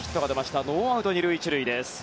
ノーアウト２塁１塁です。